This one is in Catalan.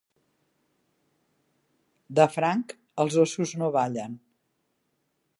De franc, els óssos no ballen.